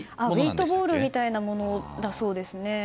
ウェートボールみたいなものだそうですね。